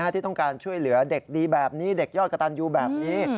ที่ต้องการช่วยเหลือเด็กดีแบบนี้เด็กยอดกระตันยูแบบนี้